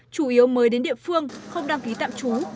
chủ yếu mới đến địa phương không đăng ký tạm trú